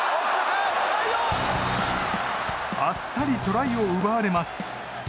あっさりトライを奪われます。